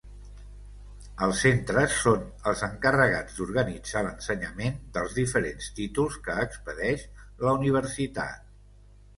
Els Centres són els encarregats d'organitzar l'ensenyament dels diferents títols que expedeix la Universitat.